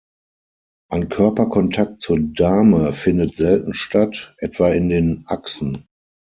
Ein Körperkontakt zur Dame findet selten statt, etwa in den Achsen.